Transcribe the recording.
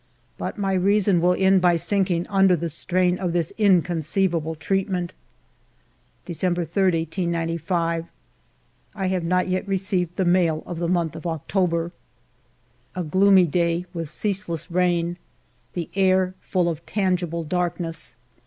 But my reason will end by sinking under the strain of this inconceivable treatment. 'December 3, 1895. I have not yet received the mail of the month of October. i8o FIVE YEARS OF MY LIFE A gloomy day with ceaseless rain. The air full of tangible darkness.